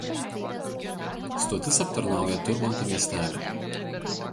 Stotis aptarnauja Turmanto miestelį.